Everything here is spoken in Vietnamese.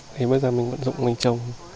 thì bây giờ mình vận dụng mình trồng